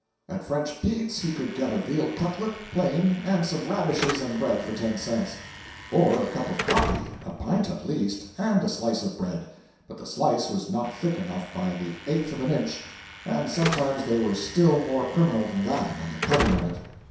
At French Pete's he could get a veal cutlet, plain, and some radishes and bread, for ten cents; or a cup of coffee—a pint at least—and a slice of bread; but the slice was not thick enough by the eighth of an inch, and sometimes they were still more criminal than that in the cutting of it.